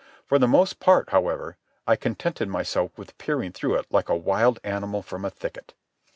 For the most part, however, I contented myself with peering through it like a wild animal from a thicket.